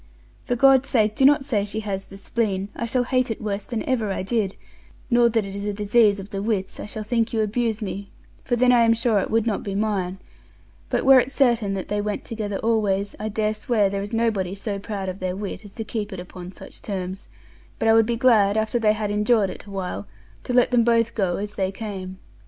For God's sake do not say she has the spleen, I shall hate it worse than ever I did, nor that it is a disease of the wits, I shall think you abuse me, for then I am sure it would not be mine; but were it certain that they went together always, I dare swear there is nobody so proud of their wit as to keep it upon such terms, but would be glad after they had endured it a while to let them both go as they came.